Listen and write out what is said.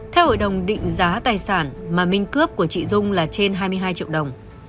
theo hội đồng định giá tài sản mà minh cướp của chị dung là trên hai mươi hai triệu đồng